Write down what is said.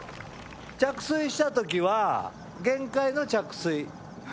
着水した時は限界の着水？